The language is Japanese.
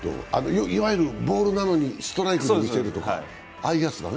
ボールなのにストライクに見せるとか、ああいうやつだね。